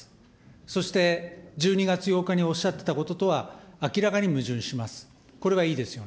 そして１２月８日におっしゃっていたこととは明らかに矛盾します。